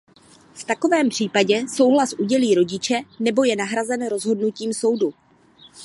V takovém případě souhlas udělí rodiče nebo je nahrazen rozhodnutím soudu.